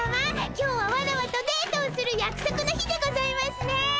今日はワラワとデートをするやくそくの日でございますね！